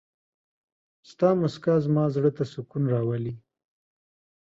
ستا مسکا زما زړه ته سکون راولي.